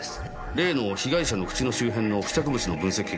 例の被害者の口の周辺の付着物の分析結果が出ました。